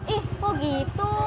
ih kok gitu